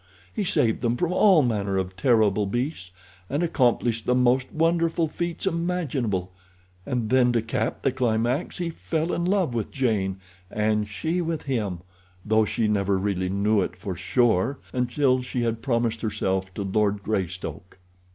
He saved them from all manner of terrible beasts, and accomplished the most wonderful feats imaginable, and then to cap the climax he fell in love with Jane and she with him, though she never really knew it for sure until she had promised herself to Lord Greystoke."